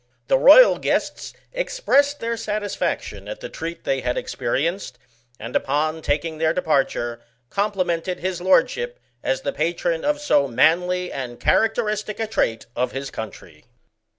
The royal guests expressed their sa tisfaction at the treat they had experienced ; and Digitized by VjOOQIC 14 BOXIANA ; OR, upon taking their departure, complimented his lord ship as the patron of so manly and characteristic a trait of his country.